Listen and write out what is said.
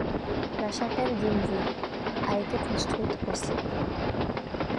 La chapelle d'Hymmeville a été construite au siècle.